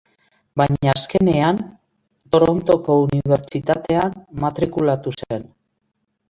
Baina azkenean, Torontoko Unibertsitatean matrikulatu zen.